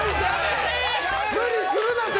無理するなって。